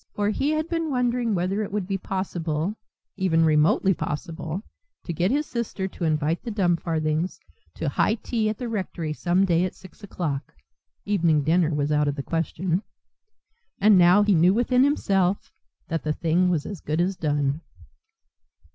For he had been wondering whether it would be possible, even remotely possible, to get his sister to invite the Dumfarthings to high tea at the rectory some day at six o'clock (evening dinner was out of the question), and now he knew within himself that the thing was as good as done.